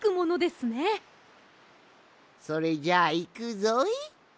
それじゃあいくぞい。